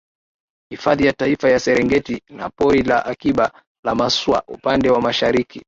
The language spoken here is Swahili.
Hifadhi ya Taifa ya Serengeti na Pori la Akiba la Maswa upande wa mashariki